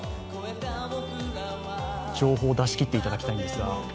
情報を出し切っていただきたいんですが。